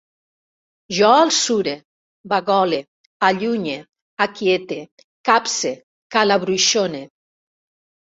Jo alçure, bagole, allunye, aquiete, capce, calabruixone